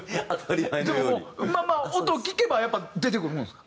でももう音聴けばやっぱ出てくるもんですか？